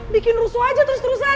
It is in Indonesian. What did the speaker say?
bikin rusuh aja terus terusan